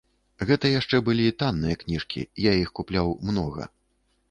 Гэта яшчэ былі танныя кніжкі, я іх купляў многа.